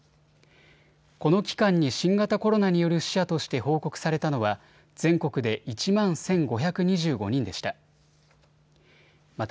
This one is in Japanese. この期間に新型コロナによる死者として報告されたのは全国で１万１５２５人でした。